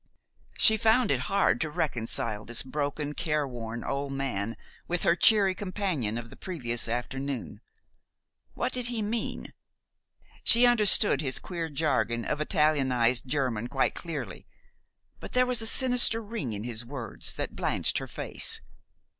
She found it hard to reconcile this broken, careworn old man with her cheery companion of the previous afternoon. What did he mean? She understood his queer jargon of Italianized German quite clearly; but there was a sinister ring in his words that blanched her face.